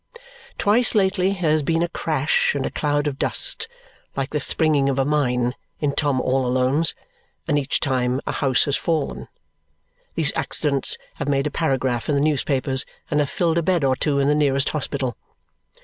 Twice lately there has been a crash and a cloud of dust, like the springing of a mine, in Tom all Alone's; and each time a house has fallen. These accidents have made a paragraph in the newspapers and have filled a bed or two in the nearest hospital.